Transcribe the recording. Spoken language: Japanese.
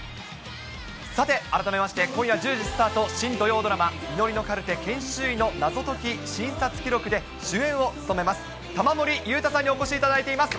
さて、改めまして、今夜１０時スタート、新土曜ドラマ、祈りのカルテ研修医の謎解き診察記録で、主演を務めます玉森裕太さんにお越しいただいています。